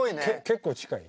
結構近い？